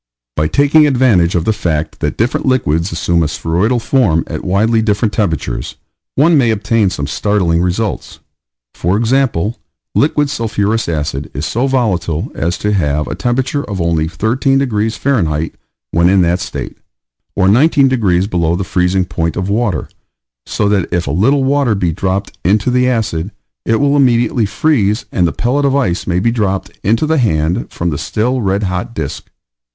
By taking advantage of the fact that different liquids assume a spheroidal form at widely different temperatures, one may obtain some startling results. For example, liquid sulphurous acid is so volatile as to have a temperature of only 13 degrees F. when in that state, or 19 degrees below the freezing point of water, so that if a little water be dropped into the acid, it will immediately freeze and the pellet of ice may be dropped into the hand from the still red hot disk.